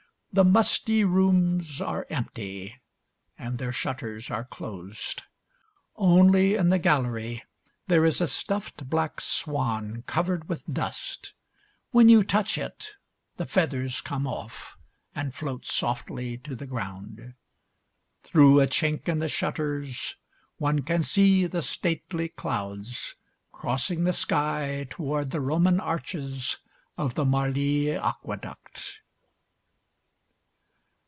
The musty rooms are empty and their shutters are closed, only in the gallery there is a stuffed black swan, covered with dust. When you touch it, the feathers come off and float softly to the ground. Through a chink in the shutters, one can see the stately clouds crossing the sky toward the Roman arches of the Marly Aqueduct.